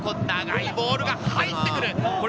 長いボールが入ってくる。